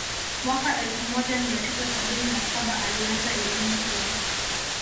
Mwaka elfu moja mia tisa sabini na saba alianza elimu hiyo